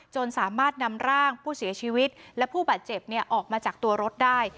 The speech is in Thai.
สามารถนำร่างผู้เสียชีวิตและผู้บาดเจ็บออกมาจากตัวรถได้